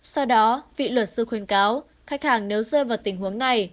sau đó vị luật sư khuyên cáo khách hàng nếu rơi vào tình huống này